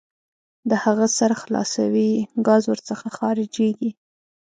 د هغه سر خلاصوئ ګاز ور څخه خارجیږي.